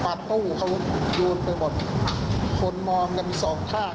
ตู้เขาโยนไปหมดคนมองกันสองข้าง